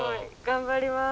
頑張ります。